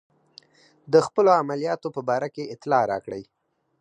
د خپلو عملیاتو په باره کې اطلاع راکړئ.